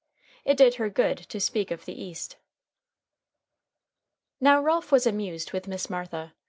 It did her good to speak of the East. Now Ralph was amused with Miss Martha.